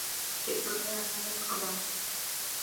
جئت سيراً على الأقدام.